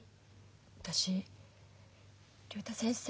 私竜太先生